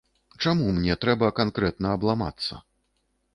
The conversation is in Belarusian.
Чаму мне трэба канкрэтна абламацца?